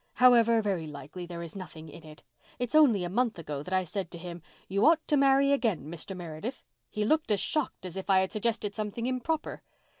However, very likely there is nothing in it. It's only a month ago that I said to him, 'You ought to marry again, Mr. Meredith.' He looked as shocked as if I had suggested something improper.